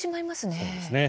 そうですね。